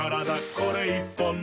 これ１本で」